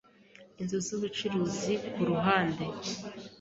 inzu z’ubucuruzi ku ruhande